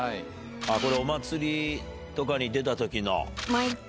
これお祭りとかに出た時の。